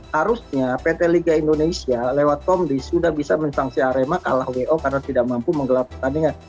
harusnya pt liga indonesia lewat komdis sudah bisa mensangsi arema kalah wo karena tidak mampu menggelar pertandingan